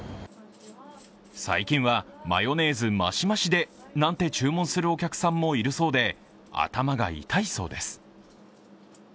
最近はマヨネーズましましでなんて注文するお客さんもいるそうで頭が痛いそうです。